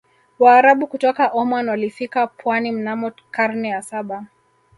waarabu kutoka oman walifika pwani mnamo karne ya saba